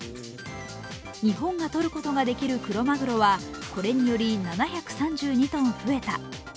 日本が取ることができるクロマグロはこれにより７３２ｔ増えた。